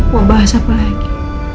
mau bahas apa lagi